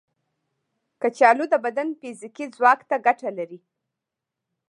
کچالو د بدن فزیکي ځواک ته ګټه لري.